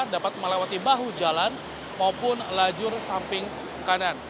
dapat melewati bahu jalan maupun lajur samping kanan